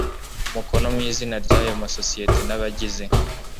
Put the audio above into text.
umukono mu izina ryayo masosiyete n abagize